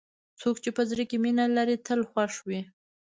څوک چې په زړه کې مینه لري، تل خوښ وي.